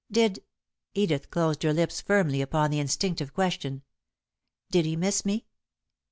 "Did " Edith closed her lips firmly upon the instinctive question, "Did he miss me?"